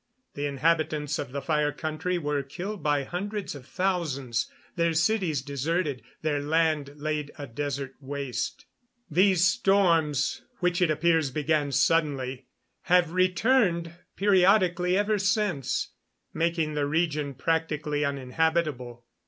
The inhabitants of the Fire Country were killed by hundreds of thousands, their cities deserted, their land laid a desert waste. These storms, which it appears began suddenly, have returned periodically ever since, making the region practically uninhabitable.